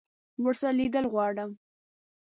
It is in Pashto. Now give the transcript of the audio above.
ورسره لیدل غواړم.